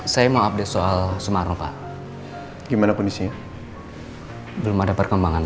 saya mau update soal sumaro pak gimana kondisinya belum ada perkembangan